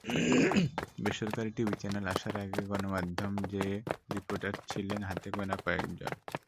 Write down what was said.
বেসরকারি TV channel আসার আগে গণমাধ্যমে মেয়ে রিপোর্টার ছিলেন হাতে গোনা কয়েকজন।